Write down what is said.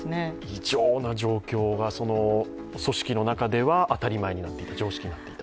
異常な状況が組織の中では当たり前になっている常識になっていた。